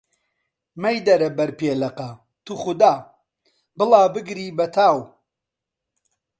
مەیدەرە بەر پێلەقە، توخودا، بڵا بگری بە تاو!